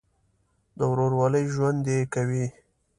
د ورورولۍ ژوند دې کوي.